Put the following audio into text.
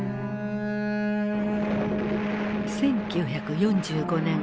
１９４５年。